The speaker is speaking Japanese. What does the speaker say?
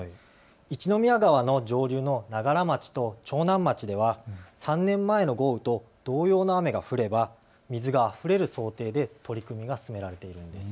一宮川の上流の長柄町と長南町では３年前の豪雨と同様の雨が降れば水があふれる想定で取り組みが進められているんです。